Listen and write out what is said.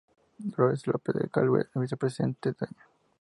Dolores López de Calvet, vicepresidenta; Dña.